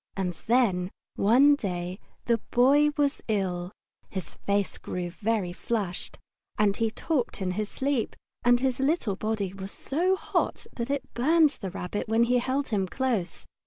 And then, one day, the Boy was ill. His face grew very flushed, and he talked in his sleep, and his little body was so hot that it burned the Rabbit when he held him close.